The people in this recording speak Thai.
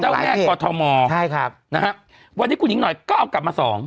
เจ้าแม่กรุงเทพมหานครใช่ครับนะฮะวันนี้คุณหญิงหน่อยก็เอากลับมาสอง